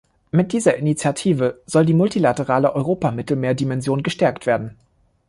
Mit dieser Initiative soll die multilaterale Europa-Mittelmeer-Dimension gestärkt werden.